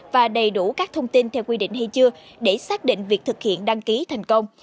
và đầy đủ các thông tin theo quy định hay chưa để xác định việc thực hiện đăng ký thành công